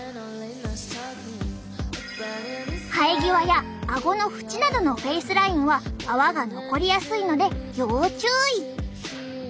生え際やあごの縁などのフェイスラインは泡が残りやすいので要注意。